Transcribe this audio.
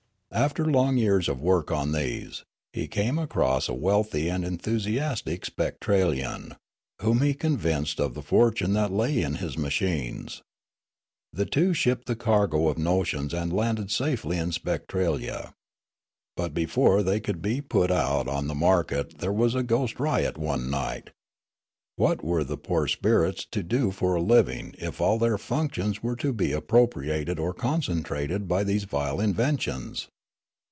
"After long years of work on these, he came across a wealthy and enthusiastic Spectralian, whom he con vinced of the fortune that lay in his machines. The two shipped the cargo of notions and landed safely in Spectralia. But before they could be put out on the market there was a ghost riot one night ; what were the poor spirits to do for a living if all their functions Spectralia 339 were to be appropriated or concentrated by these vile inventions